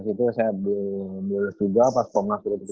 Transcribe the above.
di situ saya diolos juga pas pomnas dua ribu tujuh belas